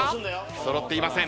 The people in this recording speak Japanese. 揃っていません。